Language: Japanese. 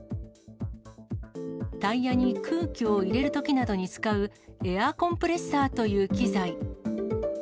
タイヤに空気を入れるときなどに使う、エアコンプレッサーという機材。